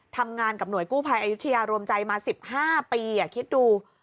ทำงานกับหน่วยกู้ภัยอายุทยารวมใจมา๑๕ปีคิดดู